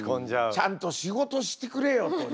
「ちゃんと仕事してくれよ」と思うんです。